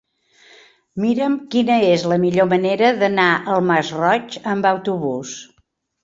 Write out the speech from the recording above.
Mira'm quina és la millor manera d'anar al Masroig amb autobús.